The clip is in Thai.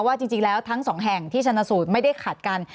ว่าจริงแล้วทั้งสองแห่งที่ชนะสูตรไม่ได้ขัดกัน